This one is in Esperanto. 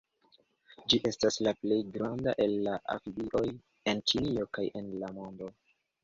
Ĝi estas la plej granda el la amfibioj en Ĉinio kaj en la mondo.